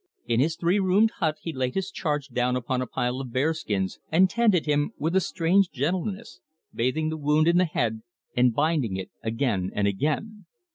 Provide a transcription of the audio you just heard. In his three roomed hut he laid his charge down upon a pile of bear skins, and tended him with a strange gentleness, bathing the wound in the head and binding it again and again.